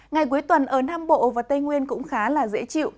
ngày cuối tuần ở nam bộ và tây nguyên cũng khá dễ chịu